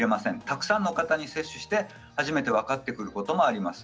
たくさんの方に接種して初めて分かることもあります。